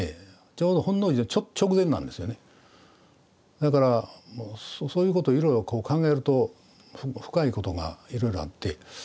だからそういうこといろいろ考えると深いことがいろいろあって。